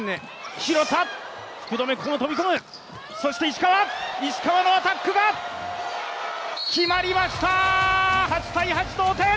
石川のアタックが決まりました！